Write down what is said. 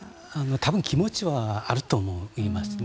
多分気持ちはあると思いますね。